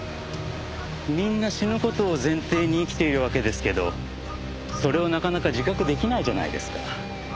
みんな死ぬ事を前提に生きているわけですけどそれをなかなか自覚出来ないじゃないですか。